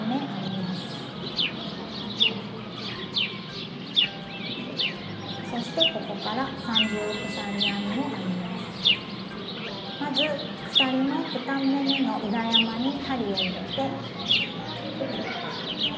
まず鎖の２目めの裏山に針を入れて。